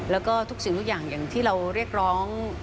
แล้วก็ทุกสิ่งทุกอย่างอย่างที่เราเรียกร้อง